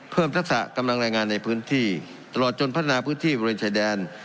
ทักษะกำลังแรงงานในพื้นที่ตลอดจนพัฒนาพื้นที่บริเวณชายแดน